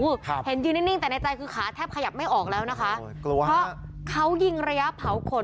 ครับเห็นยืนนิ่งแต่ในใจคือขาแทบขยับไม่ออกแล้วนะคะเออกลัวเพราะเขายิงระยะเผาขน